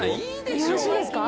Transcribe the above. よろしいですか？